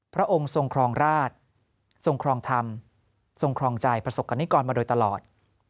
พระองค์ทรงครองราชทรงครองธรรมทรงครองใจประสบกรณิกรมาโดยตลอด